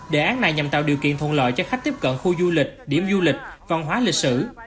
đề án này nhằm tạo điều kiện thuận lợi cho khách tiếp cận khu du lịch điểm du lịch văn hóa lịch sử